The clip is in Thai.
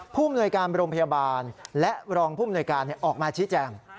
มนวยการโรงพยาบาลและรองภูมิหน่วยการออกมาชี้แจง